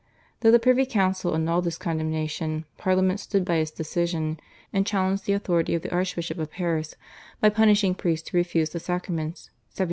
Though the privy council annulled this condemnation Parliament stood by its decision, and challenged the authority of the Archbishop of Paris by punishing priests who refused the sacraments (1749 52).